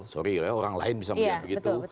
sorry ya orang lain bisa melihat begitu